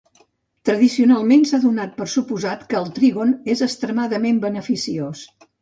Tradicionalment, s'ha donat per suposat que el trígon és extremadament beneficiós.